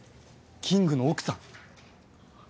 キングの奥さん？